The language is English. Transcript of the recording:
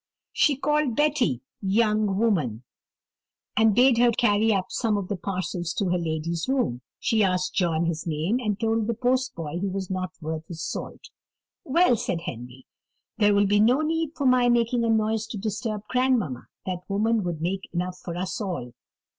She called Betty "young woman," and bade her carry up some of the parcels to her lady's room. She asked John his name; and told the postboy he was not worth his salt. "Well," said Henry, "there will be no need for my making a noise to disturb grandmamma; that woman would make enough for us all."